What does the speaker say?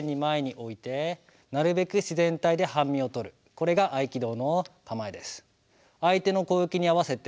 これが合気道の構えです。